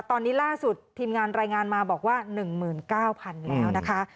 ตอนนี้ล่าสุดทีมงานรายงานมาบอกว่าหนึ่งหมื่นเก้าพันธุ์แล้วนะคะ